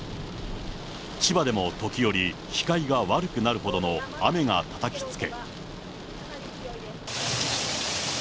千葉でも時折、視界が悪くなるほどの雨がたたきつけ。